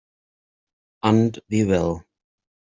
And we will.